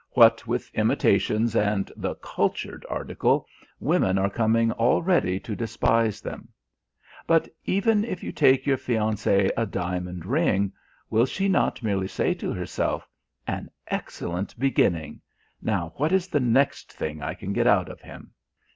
What with imitations and the 'cultured' article, women are coming already to despise them. But even if you take your fiancée a diamond ring, will she not merely say to herself: 'an excellent beginning, now what is the next thing I can get out of him?'